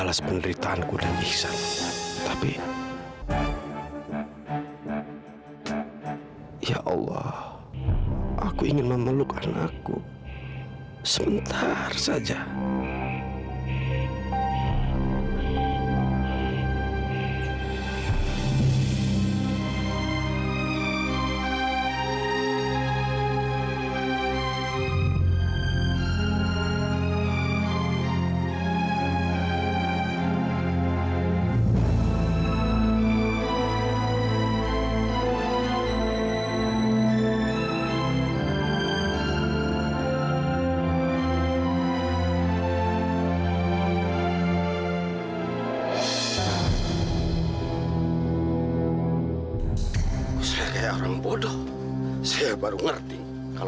sampai jumpa di video selanjutnya